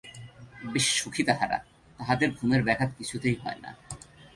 বেশ সুখী তাহারা! তাহাদের ঘুমের ব্যাঘাত কিছুতেই হয় না।